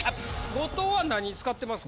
後藤は何に使ってますか？